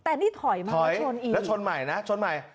แต่นี่ถอยมาถอยชนอีกแล้วชนใหม่นะชนใหม่